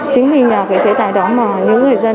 chính vì nhờ cái chế tài đó mà những người dân